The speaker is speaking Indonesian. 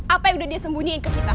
apa yang udah dia sembunyiin ke kita